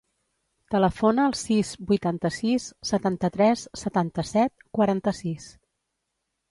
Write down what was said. Telefona al sis, vuitanta-sis, setanta-tres, setanta-set, quaranta-sis.